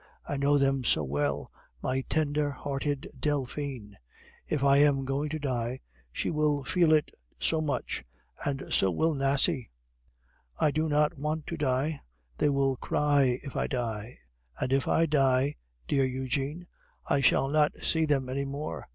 "I know them so well. My tender hearted Delphine! If I am going to die, she will feel it so much! And so will Nasie. I do not want to die; they will cry if I die; and if I die, dear Eugene, I shall not see them any more.